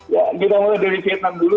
ya kita mulai dari vietnam dulu